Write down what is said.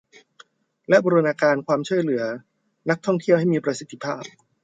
และบูรณาการความช่วยเหลือนักท่องเที่ยวให้มีประสิทธิภาพ